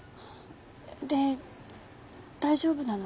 で大丈夫なの？